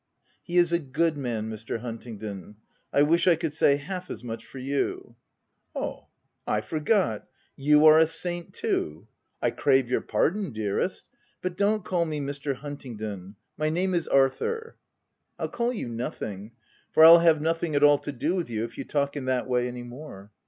'"" He is a good man, Mr. Huntingdon. I wish I could say half as much for you." " Oh, I forgot, you are a saint, too. I crave your pardon, dearest — but don't call me Mr. Huntingdon, my name is Arthur/' " Pll call you nothing — for I'll have nothing at all to do with you, if you talk in that way any more.